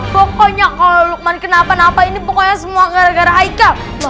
pokoknya kalo luqman kenapa napa ini pokoknya semua gara gara haikal